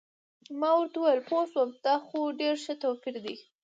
ما ورته وویل: پوه شوم، دا خو ډېر ښه توپیر دی.